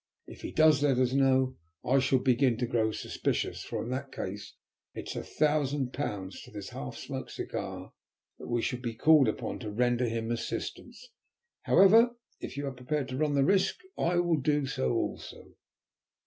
If he does let us know, I shall begin to grow suspicious, for in that case it is a thousand pounds to this half smoked cigar that we shall be called upon to render him assistance. However, if you are prepared to run the risk I will do so also."